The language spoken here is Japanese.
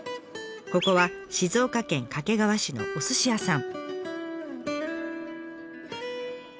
ここは静岡県掛川市のお寿司屋さん。